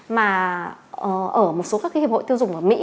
mà ở một số các cái hiệp hội tiêu dùng ở mỹ